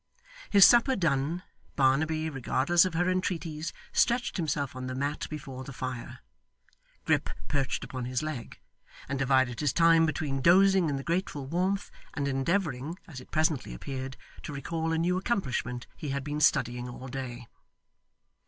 His supper done, Barnaby, regardless of her entreaties, stretched himself on the mat before the fire; Grip perched upon his leg, and divided his time between dozing in the grateful warmth, and endeavouring (as it presently appeared) to recall a new accomplishment he had been studying all day.